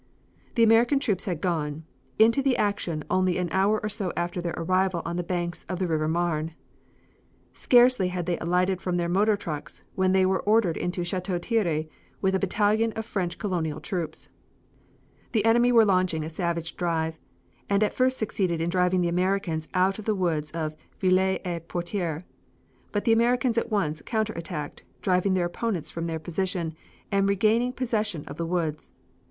The American troops had gone, into the action only an hour or so after their arrival on the banks of the River Marne. Scarcely had they alighted from their motor trucks when they were ordered into Chateau Thierry with a battalion of French Colonial troops. The enemy were launching a savage drive, and at first succeeded in driving the Americans out of the woods of Veuilly la Poterie. But the Americans at once counter attacked, driving their opponents from their position, and regaining possession of the woods.